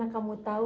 dari mana kamu tahu